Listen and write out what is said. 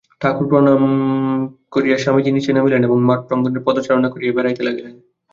ঠাকুরকে প্রণাম করিয়া স্বামীজী নীচে নামিলেন এবং মঠপ্রাঙ্গণে পদচারণা করিয়া বেড়াইতে লাগিলেন।